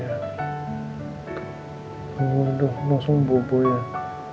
aku taruh situ nanti dia bangun lagi gimana dong